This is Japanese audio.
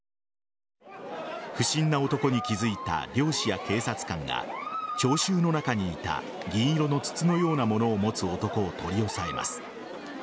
不審な男に気付いた漁師や警察官が聴衆の中にいた銀色の筒のようなものを持つ男を取り押さえます。